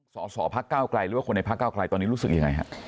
สอสอพักเก้าไกลหรือว่าคนในพักเก้าไกลตอนนี้รู้สึกยังไงฮะ